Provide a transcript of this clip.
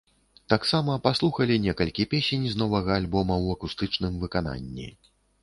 Таксама паслухалі некалькі песень з новага альбома ў акустычным выкананні.